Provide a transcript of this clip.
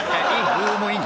ズームイン！！